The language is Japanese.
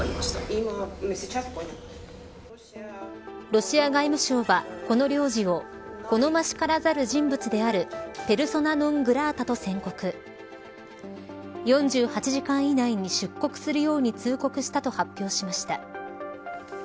ロシア外務省は、この領事を好ましからざる人物であるペルソナ・ノン・グラータと宣告４８時間以内に出国するように通告したと発表しました。